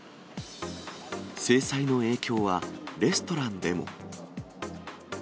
制裁の影響は、レストランでも。